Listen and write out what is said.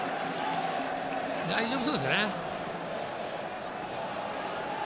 大丈夫そうですね。